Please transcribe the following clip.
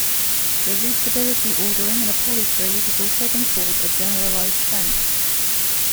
The reachability ordering in a polytree has also been called a "generalized fence".